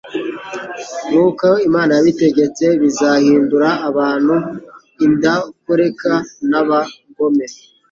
nk'uko Imana yabitegetse bizahindura abantu indakoreka, n'abagome.